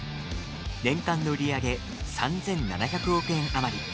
年間の売り上げ３７００億円余り。